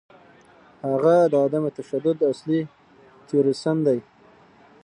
هغه د عدم تشدد اصلي تیوریسن دی.